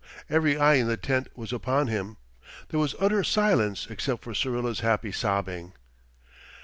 Every eye in the tent was upon him. There was utter silence except for Syrilla's happy sobbing.